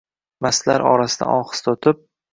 Mastlar orasidan ohista o’tib